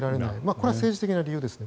これは政治的な理由ですね。